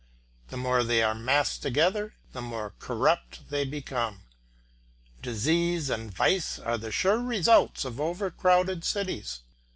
The more they are massed together, the more corrupt they become. Disease and vice are the sure results of over crowded cities.